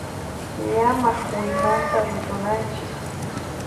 Llamaq willmanta rutunanchis.